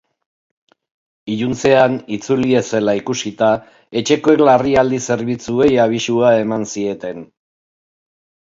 Iluntzean, itzuli ez zela ikusita, etxekoek larrialdi zerbitzuei abisua eman zieten.